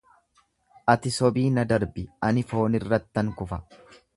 Ati sobii na darbi, ani foonirrattan kufa.